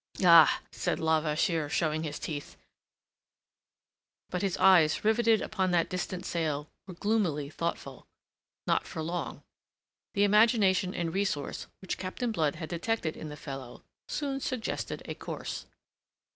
"Ah!" said Levasseur, showing his teeth. But his eyes, riveted upon that distant sail, were gloomily thoughtful. Not for long. The imagination and resource which Captain Blood had detected in the fellow soon suggested a course.